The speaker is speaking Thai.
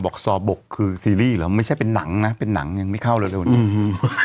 บอกส่อบกคือซีรีส์หรอไม่ใช่เป็นหนังนะไม่เข้าเลยวันนี้